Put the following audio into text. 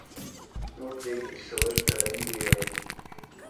-نور پرېږدئ چې څه ویلو ته لري ویې وایي